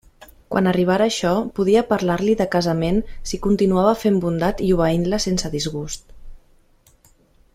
Quan arribara això, podia parlar-li de casament si continuava fent bondat i obeint-la sense disgusts.